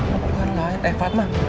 perempuan lain eh fatma